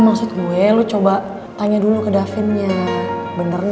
mungkin gue emang nggak di takdirin kalian balikkan sama davin